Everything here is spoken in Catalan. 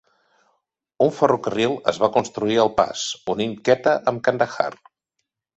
Un ferrocarril es va construir al pas, unint Quetta i Kandahar.